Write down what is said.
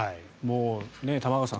玉川さん